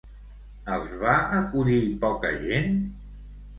Els va acollir poca gent?